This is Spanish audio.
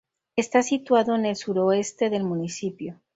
Está situado en el suroeste del municipio.